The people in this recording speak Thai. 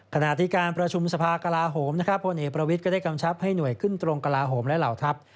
ขณะที่การประชุมสภากลาโหมนะครับพลเอกประวิทย์ก็ได้กำชับให้หน่วยขึ้นตรงกลาโหมและเหล่าทัพ